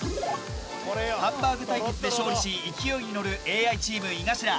ハンバーグ対決で勝利し勢いに乗るＡＩチーム井頭。